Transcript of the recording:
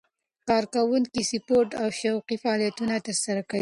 کارکوونکي سپورت او شوقي فعالیتونه ترسره کوي.